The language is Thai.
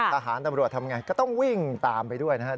ทหารตำรวจทำไงก็ต้องวิ่งตามไปด้วยนะครับ